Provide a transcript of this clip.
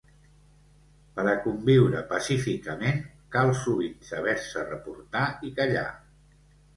Per a conviure pacíficament cal sovint saber-se reportar i callar.